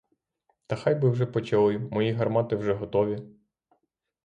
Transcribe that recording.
Та хай би вже почали, мої гармати вже готові.